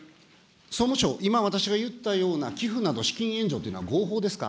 総務省、今、私が言ったような寄付など資金援助というのは合法ですか。